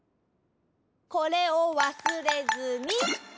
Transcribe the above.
これをわすれずにっと！